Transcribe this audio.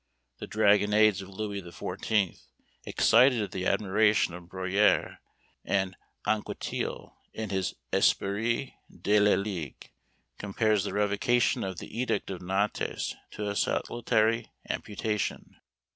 The "dragonnades" of Louis XIV. excited the admiration of Bruyère; and Anquetil, in his "Esprit de la Ligue," compares the revocation of the Edict of Nantes to a salutary amputation.